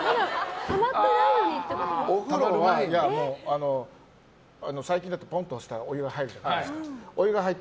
お風呂が最近だとポンと押したらお湯が入るじゃないですか。